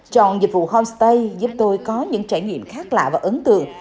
chọn dịch vụ homestay giúp tôi có những trải nghiệm khác lạ và ấn tượng